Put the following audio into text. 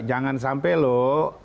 jangan sampai loh